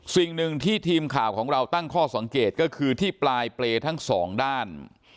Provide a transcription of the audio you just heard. สิ่งหนึ่งที่ทีมข่าวของเราตั้งข้อสังเกตก็คือที่ปลายเปรย์ทั้งสองด้าน